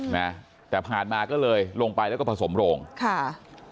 นะแต่ผ่านมาก็เลยลงไปแล้วก็ผสมโรงค่ะ